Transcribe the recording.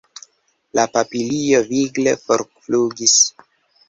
La papilio vigle forflugis.